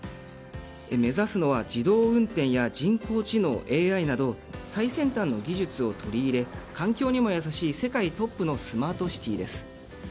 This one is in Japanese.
目指すのは自動運転や人工知能・ＡＩなど最先端の技術を取り入れ環境にも優しい世界トップのスマートシティーです。